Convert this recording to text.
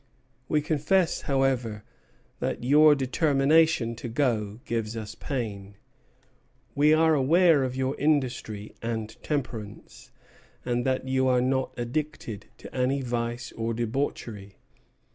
We confess, however, that your determination to go gives us pain. We are aware of your industry and temperance, and that you are not addicted to any vice or debauchery.